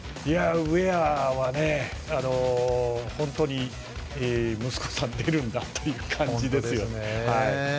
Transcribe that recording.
ウェアは本当に息子さんが出るんだという感じですよね。